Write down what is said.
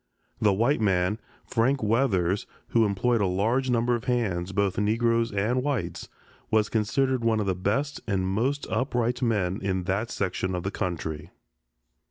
The white man, Frank Weathers, who employed a large number of hands, both Negroes and whites, was considered one of the best and most upright men in that section of the country.